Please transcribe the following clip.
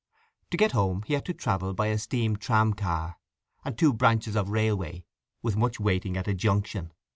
To get home he had to travel by a steam tram car, and two branches of railway, with much waiting at a junction.